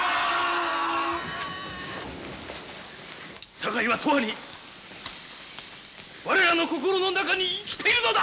堺は永遠に我らの心の中に生きているのだ！